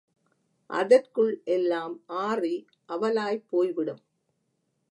அதற்குள் எல்லாம் ஆறி அவலாய்ப் போய்விடும்.